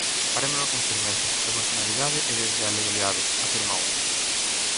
Farémolo con firmeza, proporcionalidade e desde a legalidade, afirmou.